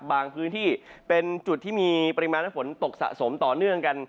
บางพื้นที่เป็นจุดที่มีปริมาณฝนตกสะสมต่อเนื่องกัน